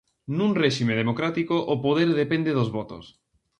Nun réxime democrático o poder depende dos votos.